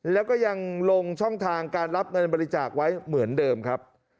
แล้วก็ยังลงช่องทางการรับเงินบริจาคไว้เหมือนเดิมครับ